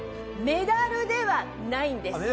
メダルではないんです。